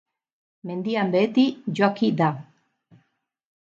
Mendian beheiti joaki da.